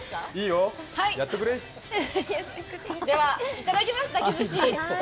いただきます、だき寿司。